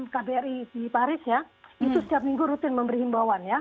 kbri di paris ya itu setiap minggu rutin memberi himbauan ya